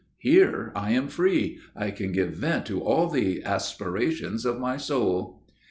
Here I am free. I can give vent to all the aspirations of my soul!"